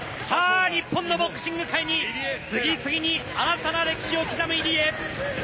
さあ日本のボクシング界に次々に新たな歴史を刻む入江。